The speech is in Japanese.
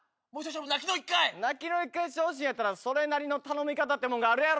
泣きの一回してほしいんやったらそれなりの頼み方ってもんがあるやろ。